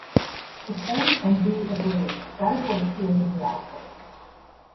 If "A" and "B" agree, that is what appears in the output.